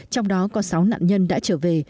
trong đó có sáu nạn nhân đã trở về